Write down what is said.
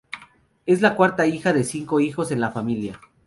Es la cuarta hija de cinco hijos en la familia.